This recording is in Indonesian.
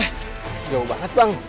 jauh banget bang